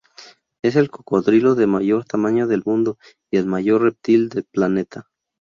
Es el cocodrilo de mayor tamaño del mundo y el mayor reptil del planeta.